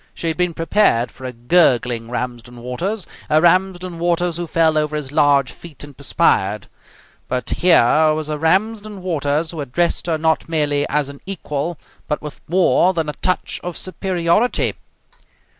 She had been prepared for a gurgling Ramsden Waters, a Ramsden Waters who fell over his large feet and perspired; but here was a Ramsden Waters who addressed her not merely as an equal, but with more than a touch of superiority.